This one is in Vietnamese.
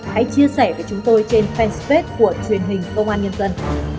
hãy chia sẻ với chúng tôi trên fanpage của truyền hình công an nhân dân